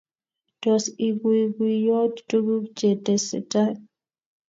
Tos, iguiguiyoti tuguk chetesetai?